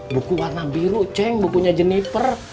buku warna biru ceng bukunya jeniper